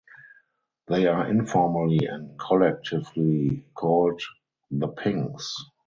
They are informally and collectively called the "Pings".